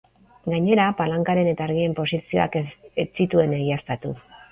Gainera, palankaren eta argien posizioak ez zituen egiaztatu.